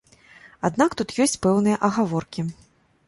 Аднак тут ёсць пэўныя агаворкі.